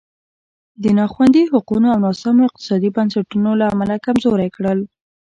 د نا خوندي حقونو او ناسمو اقتصادي بنسټونو له امله کمزوری کړل.